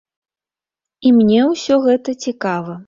І мне ўсё гэта цікава.